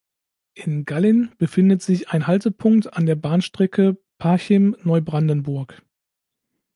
In Gallin befindet sich ein Haltepunkt an der Bahnstrecke Parchim–Neubrandenburg.